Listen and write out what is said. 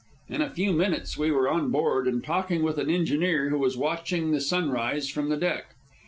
In a few minutes we were on board and talking with an engineer who was watching the sunrise from the deck.